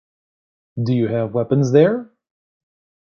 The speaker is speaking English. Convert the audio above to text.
Do you have weapons there?